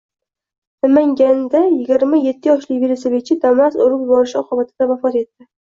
Namangandayigirma yettiyoshli velosipedchi Damas urib yuborishi oqibatida vafot etdi